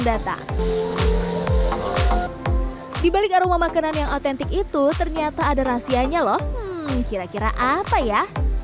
datang di balik aroma makanan yang otentik itu ternyata ada rahasianya loh kira kira apa ya